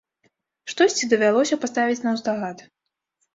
Штосьці давялося паставіць наўздагад.